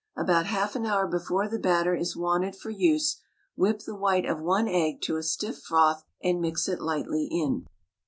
About half an hour before the batter is wanted for use whip the white of one egg to a stiff froth and mix it lightly in.